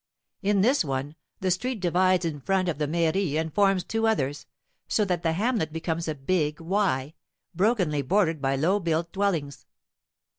In this one, the street divides in front of the mairie and forms two others, so that the hamlet becomes a big Y, brokenly bordered by low built dwellings.